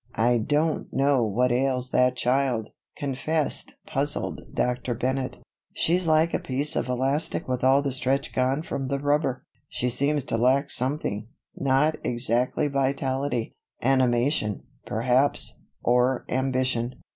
"I don't know what ails that child," confessed puzzled Dr. Bennett. "She's like a piece of elastic with all the stretch gone from the rubber. She seems to lack something; not exactly vitality animation, perhaps, or ambition.